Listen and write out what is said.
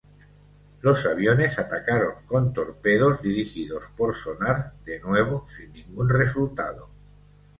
Los aviones atacaron con torpedos dirigidos por sonar, de nuevo sin ningún resultado.